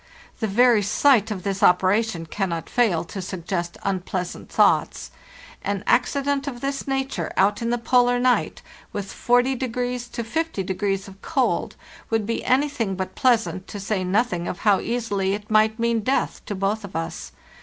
The very sight of this operation can not fail to suggest unpleasant thoughts. An accident of this nature out in the polar night, with 4o to 50° of cold, would be anything but pleasant, to say nothing of how easily it might mean death to both of us.